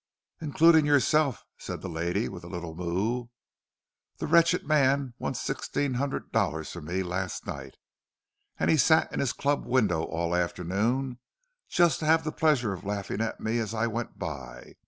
"Including yourself," said the lady, with a little moue. "The wretched man won sixteen hundred dollars from me last night; and he sat in his club window all afternoon, just to have the pleasure of laughing at me as I went by.